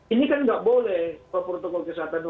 ini kan nggak boleh protokol kesehatan